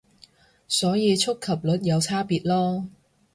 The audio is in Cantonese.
所以觸及率有差別囉